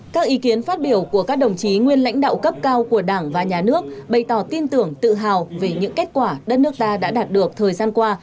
các ý kiến phát biểu của các đồng chí nguyên lãnh đạo cấp cao của đảng và nhà nước bày tỏ tin tưởng tự hào về những kết quả đất nước ta đã đạt được thời gian qua